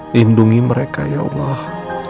lindungi mereka ya allah